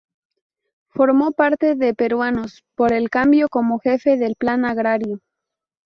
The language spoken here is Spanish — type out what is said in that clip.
Formó parte de Peruanos por el Kambio como jefe del Plan Agrario.